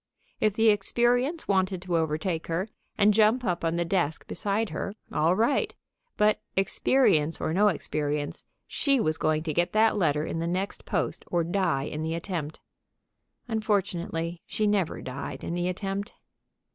If the experience wanted to overtake her, and jump up on the desk beside her, all right, but, experience or no experience, she was going to get that letter in the next post or die in the attempt. Unfortunately, she never died in the attempt.